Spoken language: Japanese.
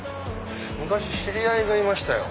昔知り合いがいましたよ。